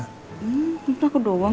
hmm entah aku doang